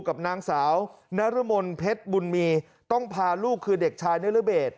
กับนางสาวนรมนเพชรบุญมีต้องพาลูกคือเด็กชายนิรเบศ